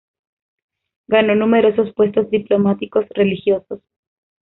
Ganó numerosos puestos diplomáticos religiosos.